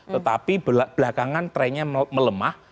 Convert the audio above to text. tetapi belakangan trennya melemah